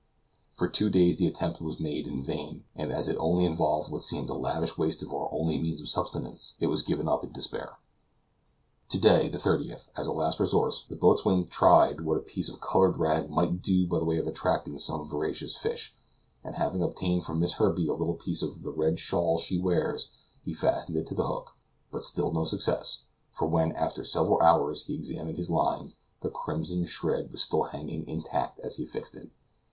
For two days the attempt was made in vain, and as it only involved what seemed a lavish waste of our only means of subsistence, it was given up in despair. To day, the 30th, as a last resource, the boatswain tried what a piece of colored rag might do by way of attracting some voracious fish, and having obtained from Miss Herbey a little piece of the red shawl she wears, he fastened it to his hook. But still no success; for when, after several hours, he examined his lines, the crimson shred was still hanging intact as he had fixed it.